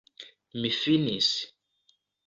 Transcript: Mi finis.